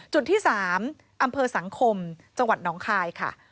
จุดที่๓อำเภอสังคมจังหวัดน้องคายค่ะ